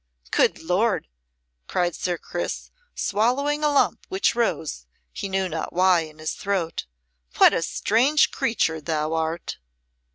"Good Lord!" cried Sir Chris, swallowing a lump which rose, he knew not why, in his throat. "What a strange creature thou art!"